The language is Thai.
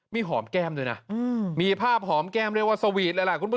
มีหอมแก้มด้วยนะมีภาพหอมแก้มเรียกว่าสวีทเลยล่ะคุณผู้ชม